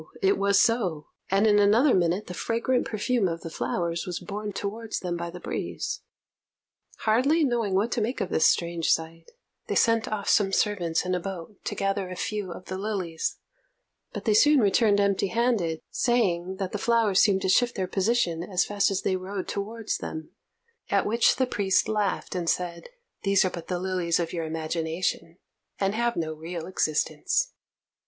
it was so; and in another minute the fragrant perfume of the flowers was borne towards them by the breeze. Hardly knowing what to make of this strange sight, they sent off some servants, in a boat, to gather a few of the lilies, but they soon returned empty handed, saying, that the flowers seemed to shift their position as fast as they rowed towards them; at which the priest laughed, and said, "These are but the lilies of your imagination, and have no real existence."